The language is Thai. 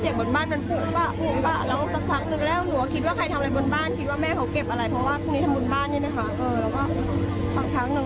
กำลังทรงรมลูกแล้วก็เหมือนกับจ่าเอนตัวนอน